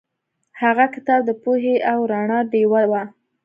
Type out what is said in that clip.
هغه کتاب د پوهې او رڼا ډیوه وه.